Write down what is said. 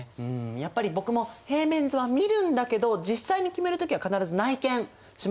やっぱり僕も平面図は見るんだけど実際に決める時は必ず内見しますね。